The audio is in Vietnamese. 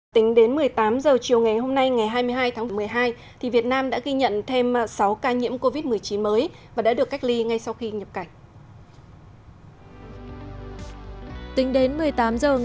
tính đến một mươi tám h chiều ngày hôm nay ngày hai mươi hai tháng một mươi hai việt nam đã ghi nhận thêm sáu ca nhiễm covid một mươi chín mới và đã được cách ly ngay sau khi nhập cảnh